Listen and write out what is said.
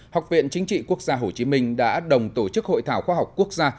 học viện chính trị quốc gia hồ chí minh đã đồng tổ chức hội thảo khoa học quốc gia